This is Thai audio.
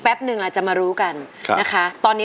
ร้องได้ให้ร้องได้